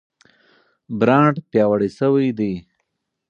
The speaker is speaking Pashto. برانډ پیاوړی شوی دی.